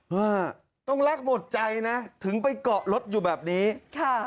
ฮะต้องแลกหมดใจนะถึงไปเกาะรถอยู่แบบนี้ค่ะ